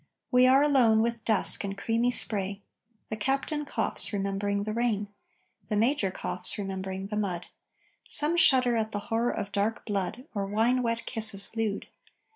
We are alone with dusk and creamy spray. The captain coughs, remembering the rain. The major coughs remembering the mud. Some shudder at the horror of dark blood, Or wine wet kisses, lewd.